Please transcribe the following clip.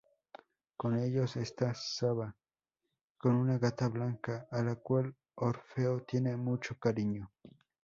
Con ellos está Saba, una gata blanca a la cual Orfeo tiene mucho cariño.